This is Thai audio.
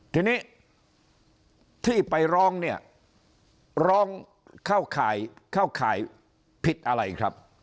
ทีนี้ที่ไปร้องเนี่ยร้องเข้าขายผิดอะไรครับ